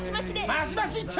マシマシ一丁！